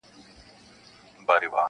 • په یارانو چي یې زهر نوشوله -